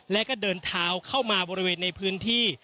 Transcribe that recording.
และก็เดินเท้าเข้ามาบริเวณในพื้นที่